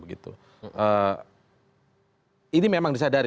ini memang disadari